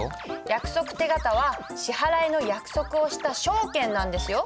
約束手形は支払いの約束をした証券なんですよ。